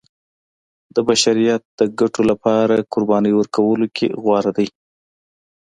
د بشریت د ګټو لپاره قربانۍ ورکولو کې غوره دی.